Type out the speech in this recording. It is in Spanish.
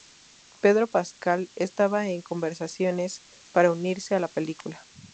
Pedro Pascal estaba en conversaciones para unirse a la película.